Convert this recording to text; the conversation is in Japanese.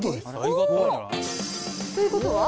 おー！ということは？